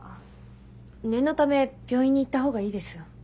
念のため病院に行った方がいいですよ。